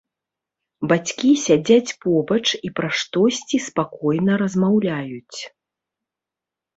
Бацькі сядзяць побач і пра штосьці спакойна размаўляюць.